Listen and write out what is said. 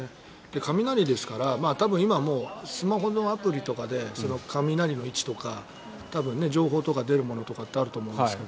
雷ですから、今はスマホのアプリとかで雷の位置とか多分、情報とか出るものってあると思いますけど。